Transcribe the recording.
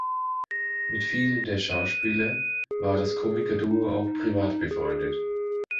Mit vielen der Schauspieler war das Komikerduo auch privat befreundet.